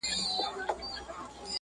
او داسي مفهوم سي چي